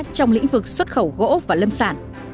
trong lĩnh vực xuất khẩu gỗ và lâm sản